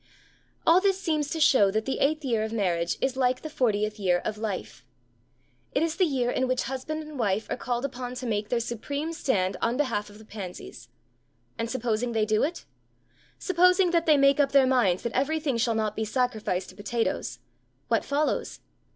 All this seems to show that the eighth year of marriage is like the fortieth year of life. It is the year in which husband and wife are called upon to make their supreme stand on behalf of the pansies. And supposing they do it? Suppose that they make up their minds that everything shall not be sacrificed to potatoes; what follows?